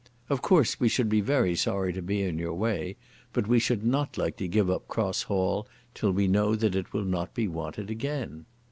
Of course we should be very sorry to be in your way, but we should not like to give up Cross Hall till we know that it will not be wanted again.